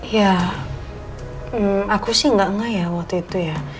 ya aku sih enggak ngeh ya waktu itu ya